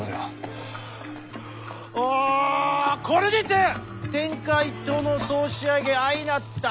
おこれにて天下一統の総仕上げ相成った。